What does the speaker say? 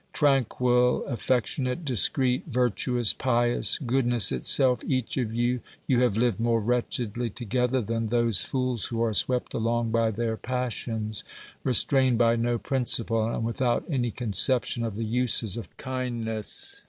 Tranquil, affec tionate, discreet, virtuous, pious, goodness itself, each of you, you have lived more wretchedly together than those fools who are swept along by their passions, restrained by no principle, and without any conception of the uses of kindness.